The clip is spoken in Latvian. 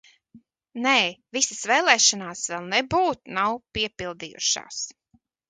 Nē, visas vēlēšanās vēl nebūt nav piepildījušās!